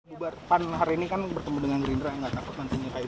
bu bar kepan hari ini kan bertemu dengan gerindra nggak kakak kan